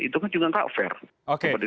itu kan juga tidak adil